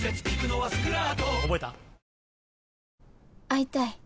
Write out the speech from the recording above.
「会いたい。